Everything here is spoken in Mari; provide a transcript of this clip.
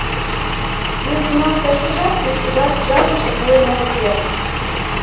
Южгунам тыштыжат, туштыжат жапыште пуэн огыт керт.